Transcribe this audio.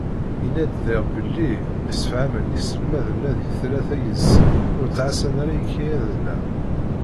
Yenna-d diɣ belli msefhamen yiselmaden-a deg tlata yid-sen ur ttɛassan ara ikayaden-a.